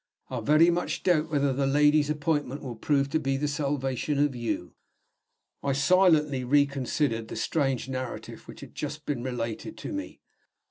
I very much doubt whether the lady's appointment will prove to be the salvation of You." I silently reconsidered the strange narrative which had just been related to me.